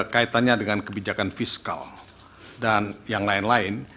kaitannya dengan kebijakan fiskal dan yang lain lain